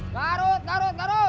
tarut tarut tarut